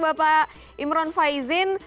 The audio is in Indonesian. bapak imran faizin